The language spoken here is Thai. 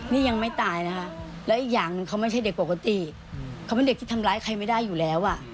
นี่ยังไม่ตายแล้วอีกอย่างนึงเขาไม่ใช่เด็กปกติถูกบที่ทำลายใครไม่ได้อยู่แหละ